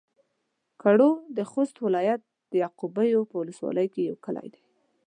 کرړو د خوست ولايت د يعقوبيو په ولسوالۍ کې يو کلی دی